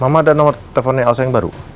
mama ada nomor teleponnya elsa yang baru